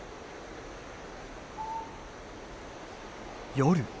夜。